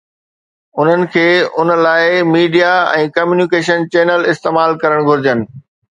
انهن کي ان لاءِ ميڊيا ۽ ڪميونيڪيشن چينلز استعمال ڪرڻ گهرجن.